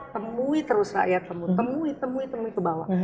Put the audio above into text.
temui terus rakyat temui temui temui kebawa